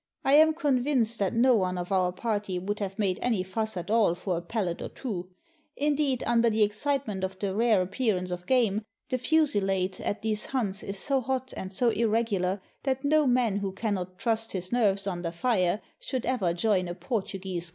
I am convinced that no one of our party would have made any fuss at all for a pellet or two; indeed, under the excitement of the rare appearance of game, the fusillade at these hunts is so hot and so irregular that no man who cannot trust his nerves under fire should ever join a Portuguese caqada.